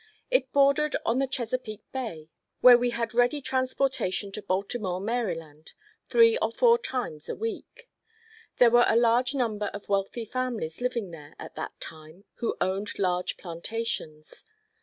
It bordered on the Chesapeake Bay, where we had ready transportation to Baltimore, Md., three or four times a week. There were a large number of wealthy families living there at that time who owned large plantations.